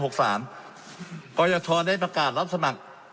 กรยชได้ประกาศรับสมัคร